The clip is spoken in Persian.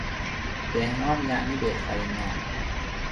بهنام یعنی بهترین نام